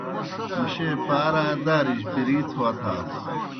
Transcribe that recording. مُشیئے پار آ دارِجیْ پیرِیتھ وتھاس۔